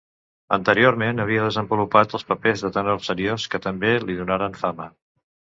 Anteriorment havia desenvolupat els papers de tenor seriós, que també li donaren fama.